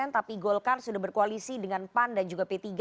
tapi golkar sudah berkoalisi dengan pan dan juga p tiga